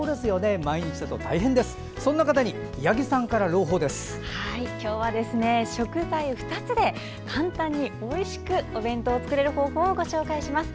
今日は、食材２つで簡単においしくお弁当を作れる方法をご紹介します。